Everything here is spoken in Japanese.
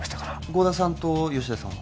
剛田さんと吉田さんは？